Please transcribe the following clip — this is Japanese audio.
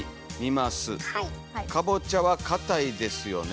かぼちゃはかたいですよね」。